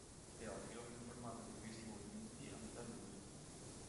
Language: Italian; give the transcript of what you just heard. Teofilo fu informato di questi movimenti a metà luglio.